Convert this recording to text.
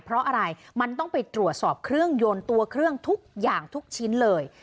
เพราะอะไรมันต้องไปตรวจสอบเครื่องยนต์ตัวเครื่องทุกอย่างทุกชิ้นเลย